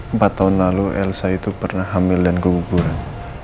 empat tahun lalu elsa itu pernah hamil dan guguran